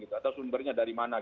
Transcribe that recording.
atau sumbernya dari mana